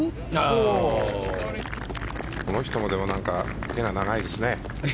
この人も手が長いですね。